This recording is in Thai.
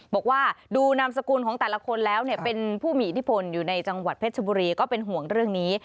บอกว่าดูนามสกุลของแต่ละคนแล้วเป็นผู้มีอิทธิพลอยู่ในจังหวัดเพชรบุรีก็เป็นห่วงเรื่องนี้